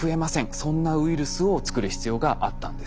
そんなウイルスを作る必要があったんです。